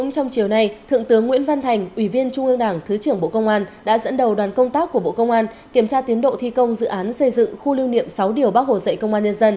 thứ trưởng nguyễn văn thành yêu cầu chủ đầu tư và các đơn vị có liên quan